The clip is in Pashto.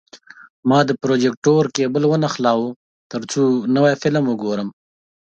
ما د پروجیکتور کیبل ونښلاوه، ترڅو نوی فلم وګورم.